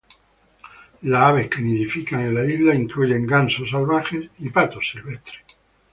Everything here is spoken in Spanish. Las aves que nidifican en la isla incluyen gansos salvajes y patos silvestres.